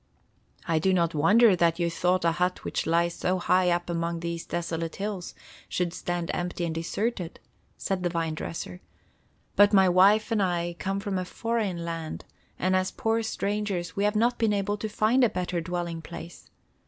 "I do not wonder that you thought a hut which lies so high up among these desolate hills should stand empty and deserted," said the vine dresser. "But my wife and I come from a foreign land, and as poor strangers we have not been able to find a better dwelling place.